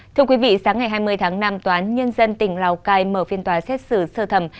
thưa quý vị sáng ngày hai mươi tháng năm tòa án nhân dân tỉnh lào cai mở phiên tòa xét xử sơ thẩm